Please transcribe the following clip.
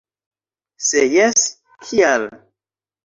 Se jes, kial?